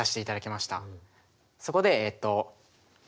そこでえっと。